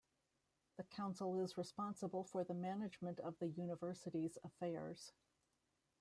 The Council is responsible for the management of the University's affairs.